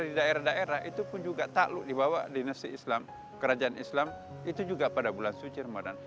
di daerah daerah itu pun juga takluk dibawa dinasti islam kerajaan islam itu juga pada bulan suci ramadan